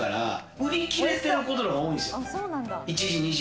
売り切れてることの方が多いんです。